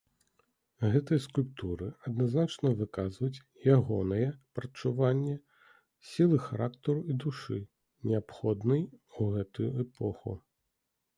Гэтыя скульптуры адназначна выказваюць ягонае прадчуванне сілы характару і душы, неабходнай у гэтую эпоху.